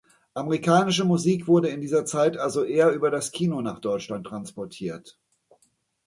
Amerikanische Musik wurde in dieser Zeit also eher über das Kino nach Deutschland transportiert.